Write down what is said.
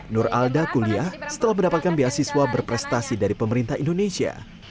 nur alda kuliah setelah mendapatkan beasiswa berprestasi dari pemerintah indonesia